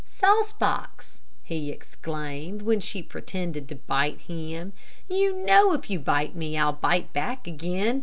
"Saucebox," he exclaimed, when she pretended to bite him, "you know if you bite me, I'll bite back again.